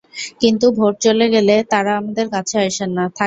কিন্তু ভোট চলে গেলে তাঁরা আমাদের কাছে আসেন না, থাকেন শহরে।